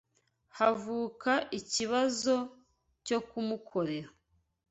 havuka icyifuzo cyo kumukorera